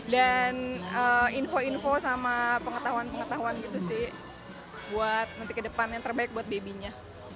dan info info sama pengetahuan pengetahuan gitu sih buat nanti ke depannya terbaik buat babynya